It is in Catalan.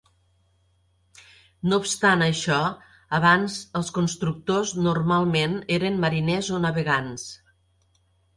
No obstant això, abans els constructors normalment eren mariners o navegants.